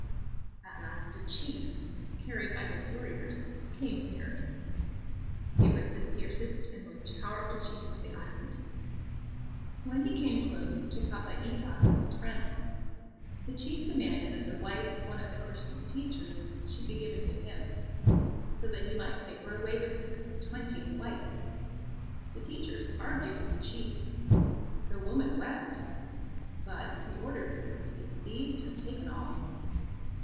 At last a chief, carried by his warriors, came near. He was the fiercest and most powerful chief on the island. When he came close to Papeiha and his friends, the chief demanded that the wife of one of the Christian teachers should be given to him, so that he might take her away with him as his twentieth wife. The teachers argued with the chief, the woman wept; but he ordered the woman to be seized and taken off.